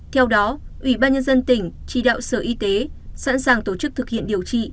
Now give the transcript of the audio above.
theo đó ủy ban nhân dân tỉnh chỉ đạo sở y tế sẵn sàng tổ chức thực hiện điều trị